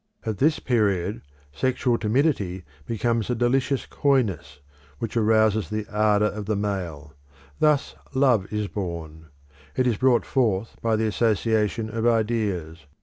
At this period sexual timidity becomes a delicious coyness which arouses the ardour of the male. Thus love is born: it is brought forth by the association of ideas.